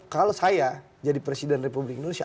kalau saya jadi presiden republik indonesia